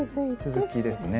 続きですね。